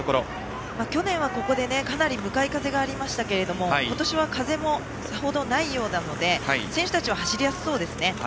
去年はここでかなり向かい風がありましたが今年は風もさほどないようなので選手たちは走りやすそうですね。